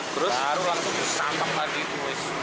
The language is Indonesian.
baru langsung disampak tadi itu